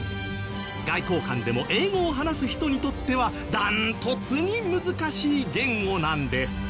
外交官でも英語を話す人にとってはダントツに難しい言語なんです。